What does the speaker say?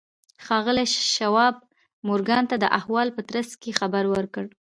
ښاغلي شواب مورګان ته د احوال په ترڅ کې خبر ورکړ